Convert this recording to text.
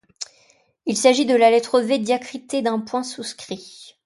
Il s’agit de la lettre V diacritée d’un point souscrit.